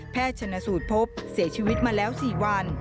ชนสูตรพบเสียชีวิตมาแล้ว๔วัน